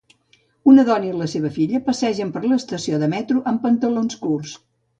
Una dona i la seva filla passegen per l'estació de metro amb pantalons curts